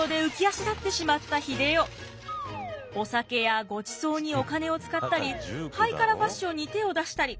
東京でお酒やごちそうにお金を使ったりハイカラファッションに手を出したり。